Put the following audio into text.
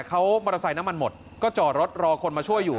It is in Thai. เขามอเตอร์ไซค์น้ำมันหมดก็จอดรถรอคนมาช่วยอยู่